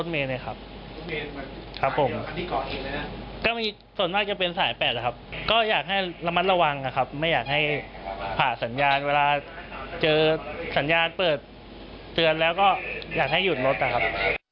ไม่อยากให้ระมัดระวังนะครับไม่อยากให้ผ่าสัญญาณเวลาเจอสัญญาณเปิดเตือนแล้วก็อยากให้หยุดรถนะครับ